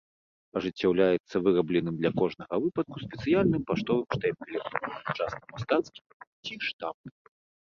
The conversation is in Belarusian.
Ажыццяўляецца вырабленым для кожнага выпадку спецыяльным паштовым штэмпелем, часта мастацкім, ці штампам.